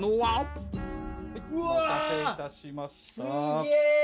お待たせいたしました。